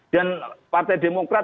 dan partai demokrat